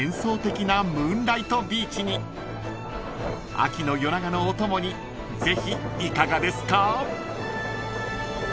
［秋の夜長のお供にぜひいかがですか？］